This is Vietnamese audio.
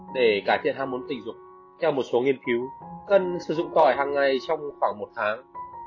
để cải thiện ham muốn tình dục theo một số nghiên cứu cần sử dụng tỏi hàng ngày trong khoảng một tháng